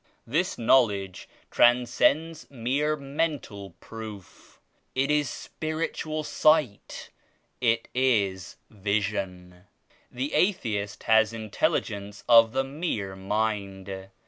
This Knowledge transcends mere mental proof; it is spiritual Sight, it is Vision. The atheist has in telligence of the mere mind.